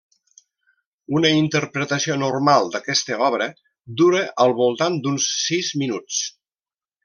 Una interpretació normal d'aquesta obra dura al voltant d'uns sis minuts.